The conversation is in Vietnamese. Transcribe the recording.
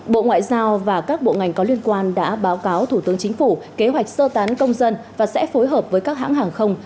bộ ngoại giao và các bộ ngành có liên quan đã báo cáo thủ tướng chính phủ kế hoạch sơ tán công dân và sẽ phối hợp với các hãng hàng không